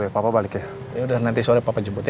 yaudah nanti sore papa jebut ya